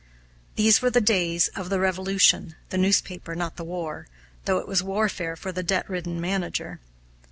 These were the days of the Revolution, the newspaper, not the war, though it was warfare for the debt ridden manager.